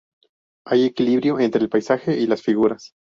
Hay equilibrio entre el paisaje y las figuras.